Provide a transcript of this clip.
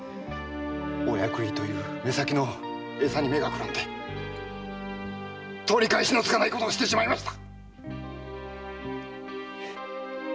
お役入りという目先のエサに目がくらんで取り返しのつかないことをしてしまいました！